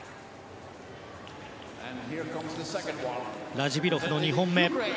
ラジビロフの２本目。